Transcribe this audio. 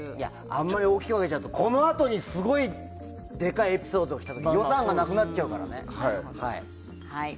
あんまり大きくあげちゃうとこのあとにすごいでかいエピソードが来た時予算がなくなっちゃうから。